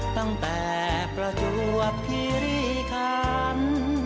ตั้งแต่ประจวบคิริคัน